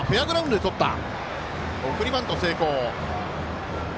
送りバント成功。